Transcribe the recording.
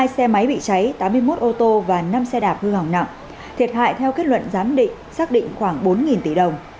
bốn trăm chín mươi hai xe máy bị cháy tám mươi một ô tô và năm xe đạp hư hỏng nặng thiệt hại theo kết luận giám định xác định khoảng bốn tỷ đồng